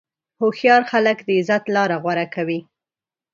هوښیار خلک د عزت لاره غوره کوي.